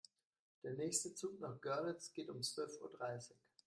Der nächste Zug nach Görlitz geht um zwölf Uhr dreißig